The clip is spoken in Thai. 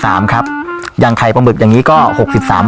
อ่า๕๓ครับยางไข่ปลาหมึกอย่างนี้ก็๖๓บาท